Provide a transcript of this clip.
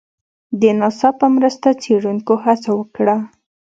د ناسا په مرسته څېړنکو هڅه وکړه